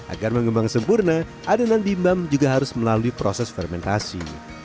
agar mengembang sempurna adonan bimbam juga harus melalui proses fermentasi